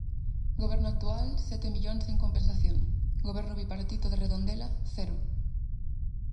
Goberno actual, sete millóns en compensación; Goberno bipartito de Redondela, cero.